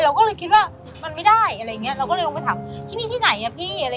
เราก็เลยคิดว่ามันไม่ได้เราก็เลยลงไปถามที่นี่ที่ไหนอะพี่